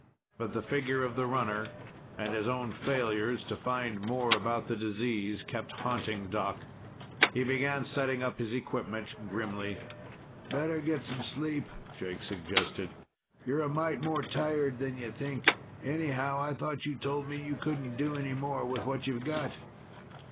But the figure of the runner and his own failures to find more about the disease kept haunting Doc. He began setting up his equipment grimly. "Better get some sleep," Jake suggested. "You're a mite more tired than you think. Anyhow, I thought you told me you couldn't do any more with what you've got."